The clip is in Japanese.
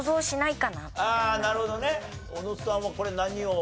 あなるほどね。小野さんはこれ何を？